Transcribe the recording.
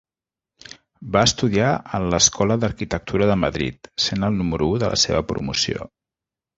Va estudiar en l'Escola d'Arquitectura de Madrid, sent el número u de la seva promoció.